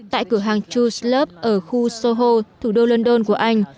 tại cửa hàng choose love ở khu soho thủ đô london của anh